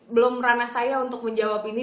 belum ranah saya untuk menjawab ini